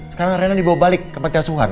sekarang reina dibawa balik ke peti asuhan